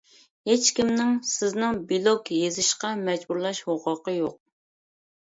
ھېچكىمنىڭ سىزنىڭ بىلوگ يېزىشقا مەجبۇرلاش ھوقۇقى يوق.